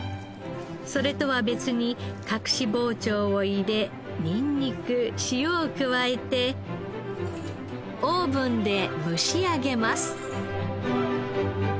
それとは別に隠し包丁を入れニンニク塩を加えてオーブンで蒸し上げます。